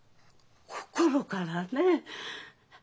「心から」ね。